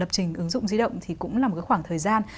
lập trình ứng dụng di động thì cũng là một khoảng thời gian